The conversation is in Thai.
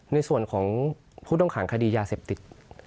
ในส่วนของผู้ต้องขังคดียาเสพติด